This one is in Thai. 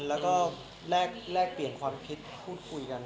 แล้วก็แลกเปลี่ยนความคิดพูดคุยกัน